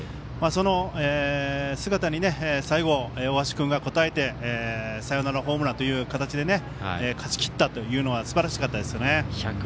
その姿に最後、大橋君が応えてサヨナラホームランという形で勝ちきったというのはすばらしかったですね。